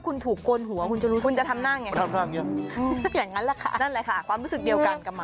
คุณอย่าคิดแทนมาสิ